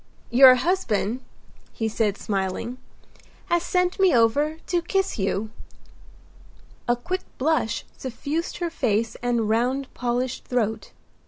"Your husband," he said, smiling, "has sent me over to kiss you." A quick blush suffused her face and round polished throat.